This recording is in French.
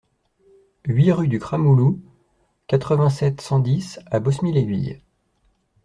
huit rue du Cramouloux, quatre-vingt-sept, cent dix à Bosmie-l'Aiguille